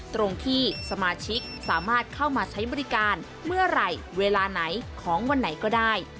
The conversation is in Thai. ตรงที่สมาชิกสามารถเข้ามาใช้บริการเมื่อไหร่เวลาไหนของวันไหนก็ได้